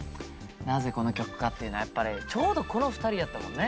なぜこの曲かっていうのはやっぱりちょうどこの２人やったもんね。